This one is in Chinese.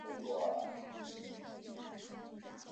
朱佑棨于弘治十八年袭封淮王。